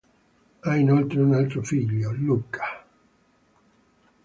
Ha inoltre un altro figlio, Luca.